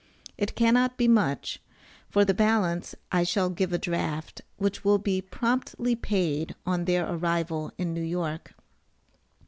It cannot be much; for the balance, I shall give a draft, which will be promptly paid on their arrival in New York.